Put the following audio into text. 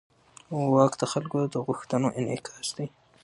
واک د خلکو د غوښتنو انعکاس دی.